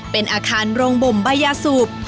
เป็นอาคารโรงบมยาสุมนต์